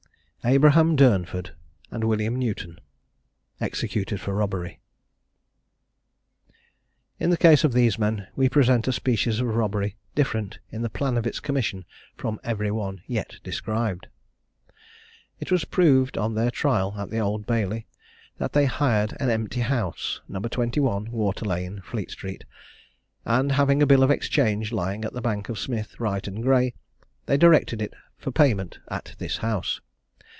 ABRAHAM DURNFORD AND WILLIAM NEWTON. EXECUTED FOR ROBBERY. In the case of these men we present a species of robbery different in the plan of its commission from every one yet described. It was proved, on their trial at the Old Bailey, that they hired an empty house, No. 21, Water lane, Fleet street; and, having a bill of exchange lying at the bank of Smith, Wright, and Gray, they directed it for payment at this house.